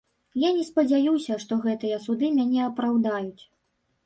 Я не спадзяюся, што гэтыя суды мяне апраўдаюць.